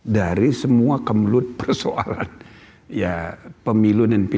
dari semua kemelut persoalan pemilu dan pilkada